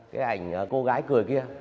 cái ảnh cô gái cười kia